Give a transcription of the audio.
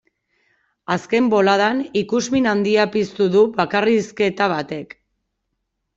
Azken boladan ikusmin handia piztu du bakarrizketa batek.